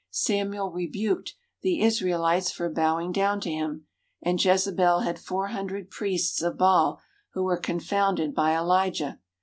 Samuel rebuked the Israelites for bowing down to him, and Jezebel had four hundred priests of Baal who were confounded by Elijah.